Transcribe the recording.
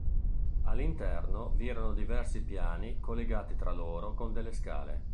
All'interno vi erano diversi piani collegati tra loro con delle scale.